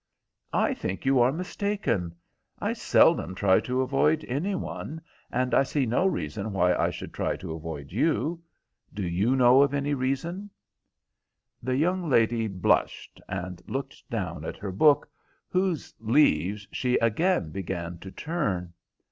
"I think you are mistaken. I seldom try to avoid any one, and I see no reason why I should try to avoid you. Do you know of any reason?" The young lady blushed and looked down at her book, whose leaves she again began to turn.